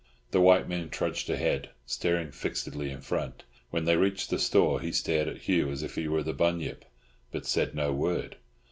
The white man trudged ahead, staring fixedly in front; when they reached the store he stared at Hugh as if he were the Bunyip, but said no word.